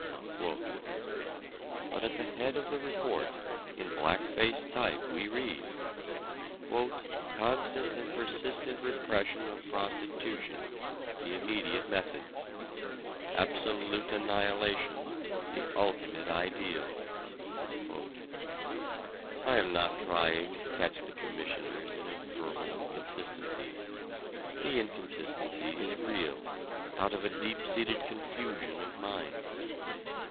But at the head of the report in black faced type we read: "Constant and persistent repression of prostitution the immediate method; absolute annihilation the ultimate ideal." I am not trying to catch the Commissioners in a verbal inconsistency. The inconsistency is real, out of a deep seated confusion of mind.